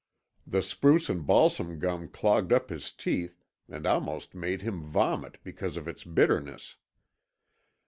The spruce and balsam gum clogged up his teeth and almost made him vomit because of its bitterness.